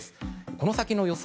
この先の予想